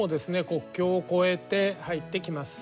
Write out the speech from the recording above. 国境を越えて入ってきます。